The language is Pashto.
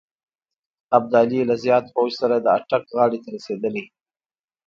ابدالي له زیات پوځ سره د اټک غاړې ته رسېدلی.